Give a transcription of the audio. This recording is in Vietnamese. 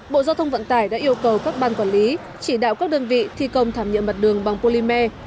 bộ giao thông vận tải đã yêu cầu các ban quản lý chỉ đạo các đơn vị thi công thảm nhựa mặt đường bằng polymer